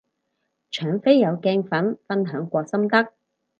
搶飛有鏡粉分享過心得